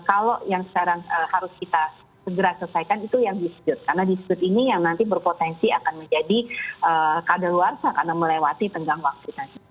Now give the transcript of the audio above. keadaan luar sahab karena melewati